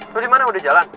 lo dimana udah jalan